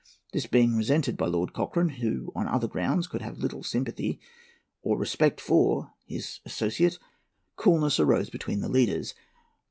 This being resented by Lord Cochrane, who on other grounds could have little sympathy or respect for his associate, coolness arose between the leaders.